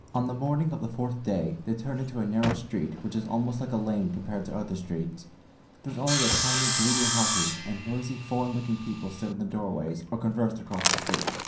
On the morning of the fourth day they turned into a narrow street which was almost like a lane compared to other streets. There were only tiny, gloomy houses, and noisy, foreign looking people stood in the doorways or conversed across the street.